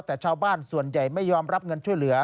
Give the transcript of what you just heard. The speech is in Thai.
แต่ชาวบ้านส่วนใหญ่ไม่ยอมรับเงินช่วยเหลือ